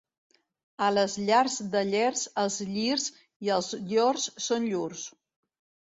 A les llars de Llers, els llirs i els llors són llurs.